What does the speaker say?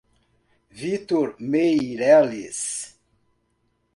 Vitor Meireles